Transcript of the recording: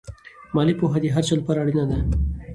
مالي پوهه د هر چا لپاره اړینه ده.